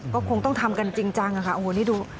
ก็คงต้องทำจริงจังครับโอ้วนี่ดู